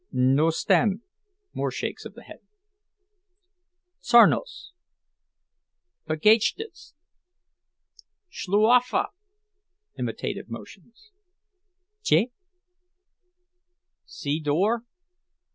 "No 'stand." (More shakes of the head.) "Zarnos. Pagaiksztis. Szluofa!" (Imitative motions.) "Je." "See door.